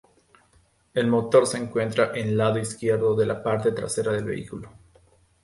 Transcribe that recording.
El motor se encuentra en lado izquierdo de la parte trasera del vehículo.